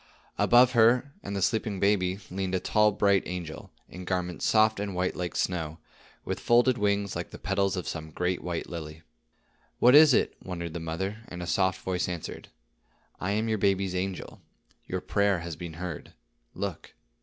Above her and the sleeping baby leaned a tall bright angel, in garments soft and white like snow, with folded wings like the petals of some great white lily. "What is it," wondered the mother; and a soft voice answered: "I am your baby's angel. Your prayer has been heard. Look."